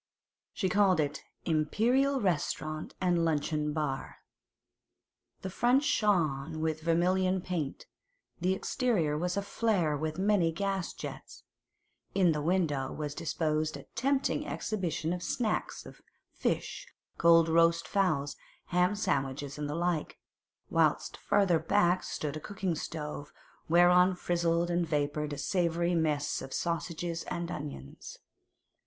She called it 'Imperial Restaurant and Luncheon Bar.' The front shone with vermilion paint; the interior was aflare with many gas jets; in the window was disposed a tempting exhibition of 'snacks' of fish, cold roast fowls, ham sandwiches, and the like; whilst farther back stood a cooking stove, whereon frizzled and vapoured a savoury mess of sausages and onions.